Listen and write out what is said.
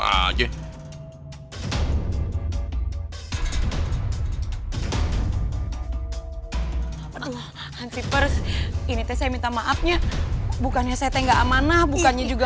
aduh hansipers ini saya minta maafnya bukannya saya tidak amanah bukannya juga